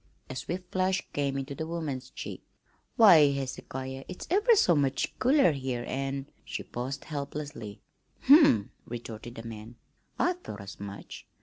A swift flush came into the woman's cheek. "Why, Hezekiah, it's ever so much cooler here, an' " she paused helplessly. "Humph!" retorted the man, "I thought as much.